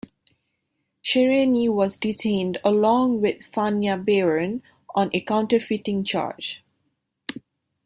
Chernyi was detained along with Fanya Baron on a counterfeiting charge.